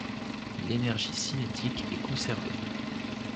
L'énergie cinétique est conservée.